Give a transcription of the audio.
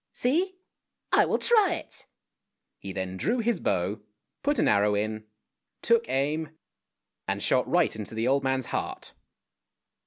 See, I will try it! " He then drew his bow, put an arrow in, took aim, and shot right into the old man's heart.